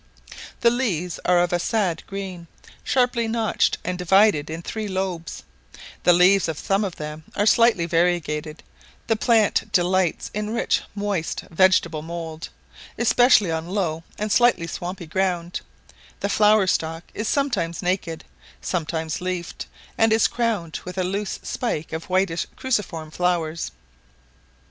The leaves are of a sad green, sharply notched, and divided in three lobes; the leaves of some of them are slightly variegated; the plant delights in rich moist vegetable mould, especially on low and slightly swampy ground; the flower stalk is sometimes naked, sometimes leafed, and is crowned with a loose spike of whitish cruciform flowers.